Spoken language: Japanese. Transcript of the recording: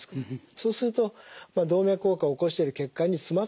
そうすると動脈硬化を起こしている血管に詰まってしまってですね